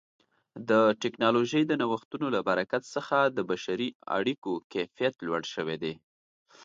د ټکنالوژۍ د نوښتونو له برکت څخه د بشري اړیکو کیفیت لوړ شوی دی.